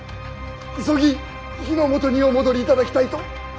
急ぎ日の本にお戻りいただきたいと。